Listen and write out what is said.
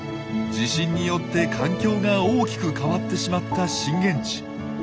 地震によって環境が大きく変わってしまった震源地。